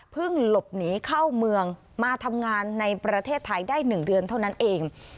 หลบหนีเข้าเมืองมาทำงานในประเทศไทยได้๑เดือนเท่านั้นเอง